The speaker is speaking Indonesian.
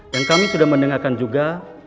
dan kami sudah mendengarkan juga